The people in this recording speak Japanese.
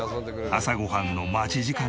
朝ご飯の待ち時間には。